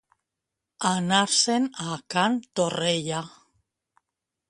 Anar-se'n a can Torrella.